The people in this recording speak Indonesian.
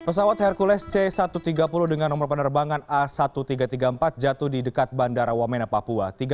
pesawat hercules c satu ratus tiga puluh dengan nomor penerbangan a seribu tiga ratus tiga puluh empat jatuh di dekat bandara wamena papua